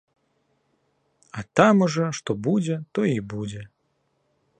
А там ужо што будзе, тое і будзе.